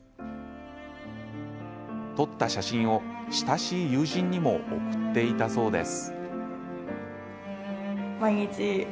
撮った写真を、親しい友人にも送っていたそうです。